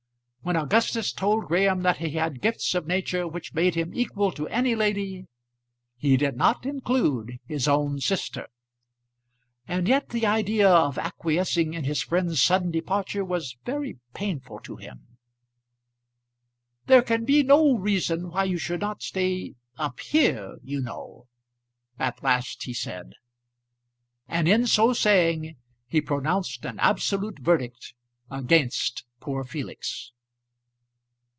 When Augustus told Graham that he had gifts of nature which made him equal to any lady, he did not include his own sister. And yet the idea of acquiescing in his friend's sudden departure was very painful to him. "There can be no reason why you should not stay up here, you know," at last he said; and in so saying he pronounced an absolute verdict against poor Felix.